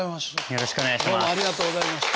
よろしくお願いします。